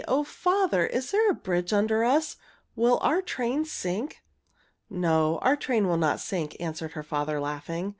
O father! Is there a bridge under us? Will our train sink?" "No, our train will not sink," answered her father, laughing.